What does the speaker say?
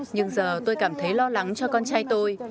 nhưng giờ tôi cảm thấy lo lắng cho con trai tôi